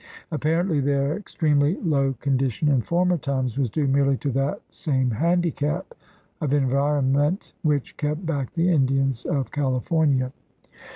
Ap parently their extremely low condition in former times was due merely to that same handicap of environment which kept back the Indians of California.